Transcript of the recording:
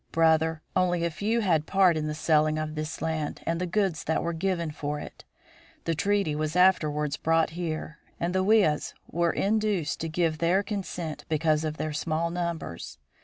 "Brother, only a few had part in the selling of this land and the goods that were given for it. The treaty was afterwards brought here, and the Weas were induced to give their consent because of their small numbers.